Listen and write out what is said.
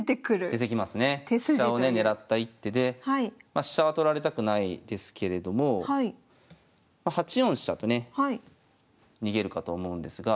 まあ飛車は取られたくないですけれども８四飛車とね逃げるかと思うんですが。